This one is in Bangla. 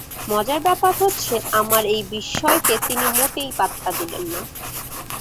মজার ব্যাপার হচ্ছে, আমার এই বিস্ময়কে তিনি মোটেই পাত্তা দিলেন না।